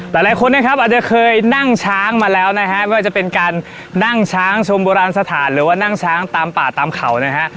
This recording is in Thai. หลายคนนะครับอาจจะเคยนั่งช้างมาแล้วนะฮะไม่ว่าจะเป็นการนั่งช้างชมโบราณสถานหรือว่านั่งช้างตามป่าตามเขานะฮะ